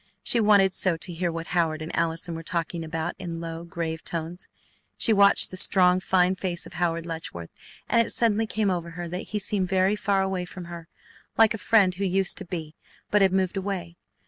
She wanted so to hear what Howard and Allison were talking about in low, grave tones. She watched the strong, fine face of Howard Letchworth, and it suddenly came over her that he seemed very far away from her, like a friend who used to be, but had moved away.